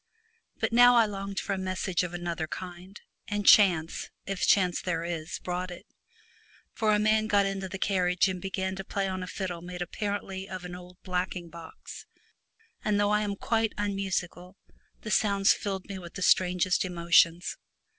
But now I longed for a message of another kind, and chance, if chance there is, brought it, for a man got into the carriage and began to play on a fiddle made apparently of an old *73 The blacking box, and though I am quite Twilight, unmusical the sounds filled me with the strangest emotions.